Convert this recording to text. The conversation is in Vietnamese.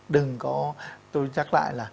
đừng có tôi chắc lại là